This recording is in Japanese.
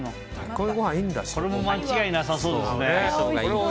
これも間違いなさそうですね。